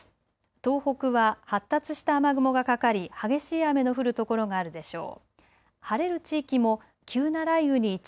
東北は発達した雨雲がかかり激しい雨の降る所があるでしょう。